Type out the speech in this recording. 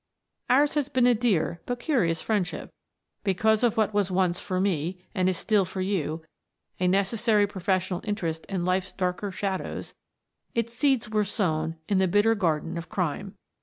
Ours has been a dear, but curious, friendship. Because of what was once for me, and is still for you, a necessary professional interest in life's darker shadows, its seeds were sown in the bitter Garden of Crime.